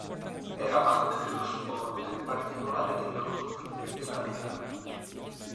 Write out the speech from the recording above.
Era amante dello sport in particolare del golf e della vela.